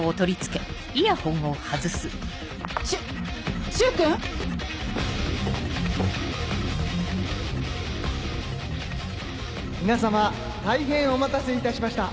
しゅ柊君⁉皆様大変お待たせいたしました。